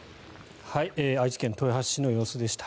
愛知県豊橋市の様子でした。